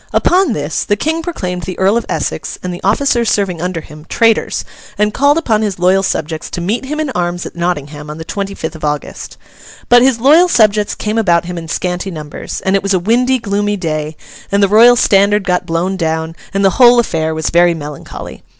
Upon this, the King proclaimed the Earl of Essex and the officers serving under him, traitors, and called upon his loyal subjects to meet him in arms at Nottingham on the twenty fifth of August. But his loyal subjects came about him in scanty numbers, and it was a windy, gloomy day, and the Royal Standard got blown down, and the whole affair was very melancholy.